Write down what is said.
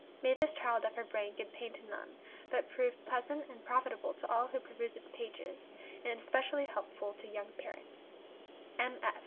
May this child of her brain give pain to none, but prove pleasant and profitable to all who peruse its pages, and especially helpful to young parents, M.